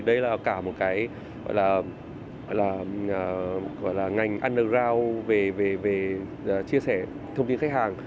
đây là cả một ngành underground về chia sẻ thông tin khách hàng